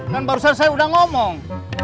kan barusan saya udah ngomong